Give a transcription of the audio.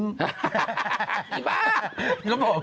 จิ๊บบะครับผม